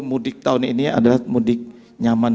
mudik tahun ini adalah mudik nyaman